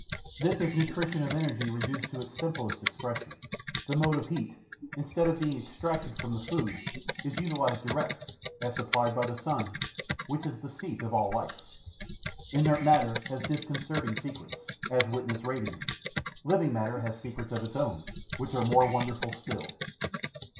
This is nutrition of energy reduced to its simplest expression: the motive heat, instead of being extracted from the food, is utilized direct, as supplied by the sun, which is the seat of all life. Inert matter has disconcerting secrets, as witness radium; living matter has secrets of its own, which are more wonderful still.